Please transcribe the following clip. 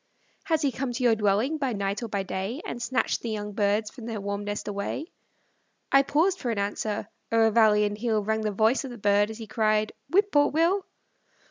Has he come to your dwelling, by night or by day, And snatched the young birds from their warm nest away? I paused for an answer; o'er valley and hill Rang the voice of the bird, as he cried, "Whip poor Will."